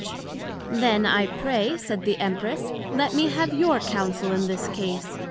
Then, I pray, said the Empress, let me have your counsel in this case.